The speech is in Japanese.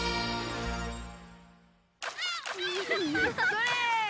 それ！